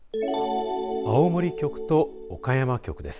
青森局と岡山局です。